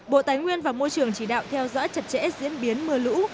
bộ tài nguyên và môi trường chỉ đạo theo dõi chặt chẽ diễn biến mưa lũ